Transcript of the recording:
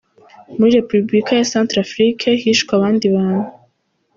Muri Repubulika ya Centrafrique hishwe abandi bantu.